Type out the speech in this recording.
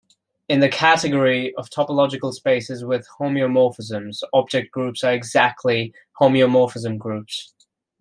In the category of topological spaces with homeomorphisms, object groups are exactly homeomorphism groups.